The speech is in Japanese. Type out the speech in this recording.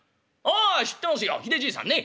「あ知ってますよひでじいさんね」。